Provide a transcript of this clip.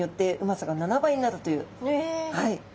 はい。